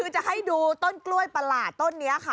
คือจะให้ดูต้นกล้วยประหลาดต้นนี้ค่ะ